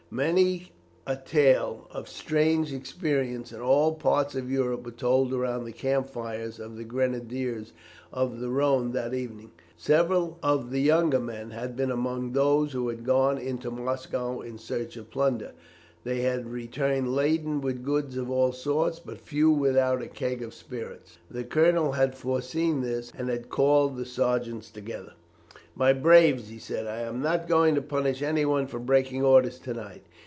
Many a tale of strange experience in all parts of Europe was told around the camp fires of the grenadiers of the Rhone that evening. Several of the younger men had been among those who had gone into Moscow in search of plunder. They had returned laden with goods of all sorts, and but few without a keg of spirits. The colonel had foreseen this, and had called the sergeants together. "My braves," he said, "I am not going to punish anyone for breaking orders to night.